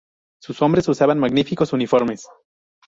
Sus hombres usaban magníficos uniformes.